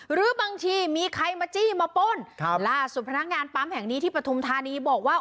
หรือบางทีมีใครมาจี้มาป้นครับล่าสุดพนักงานปั๊มแห่งนี้ที่ปฐุมธานีบอกว่า